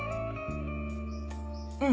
うん？